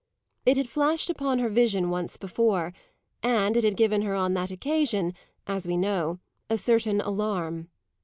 It had flashed upon her vision once before, and it had given her on that occasion, as we know, a certain alarm.